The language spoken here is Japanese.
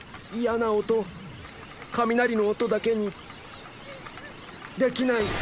嫌な音雷の音だけにできない。